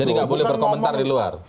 jadi gak boleh berkomentar di luar